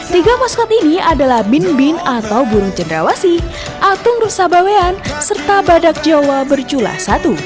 tiga maskot ini adalah bin bin atau burung cendrawasi atung rusabawean serta badak jawa berjulah satu